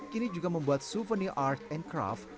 kini juga membuat souvenir art and craft